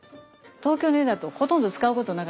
東京の家だとほとんど使うことなかったんです。